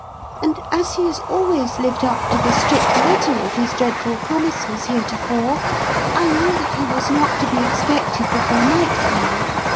And as he has always lived up to the strict letter of his dreadful promises heretofore, I knew that he was not to be expected before nightfall.